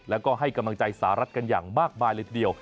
แล้วก็ให้กำลังใจสหรัฐกันอย่างมากมายเลยทีเดียว